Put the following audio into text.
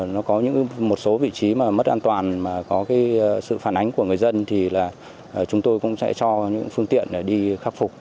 nó có những một số vị trí mà mất an toàn mà có cái sự phản ánh của người dân thì là chúng tôi cũng sẽ cho những phương tiện để đi khắc phục